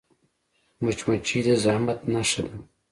مچمچۍ د زحمت نښه ده